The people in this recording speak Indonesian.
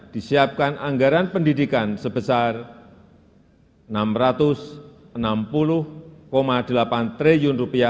disiapkan anggaran pendidikan sebesar rp enam ratus enam puluh delapan triliun